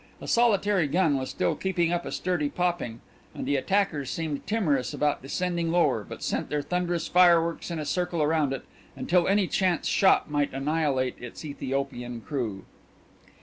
A solitary gun was still keeping up a sturdy popping, and the attackers seemed timorous about descending lower, but sent their thunderous fireworks in a circle around it, until any chance shot might annihilate its Ethiopian crew.